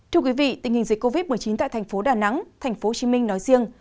thưa quý vị tình hình dịch covid một mươi chín tại tp đà nẵng tp hcm nói riêng